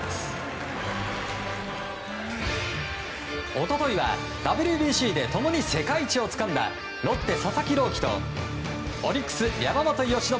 一昨日はＷＢＣで共に世界一をつかんだロッテ、佐々木朗希とオリックス、山本由伸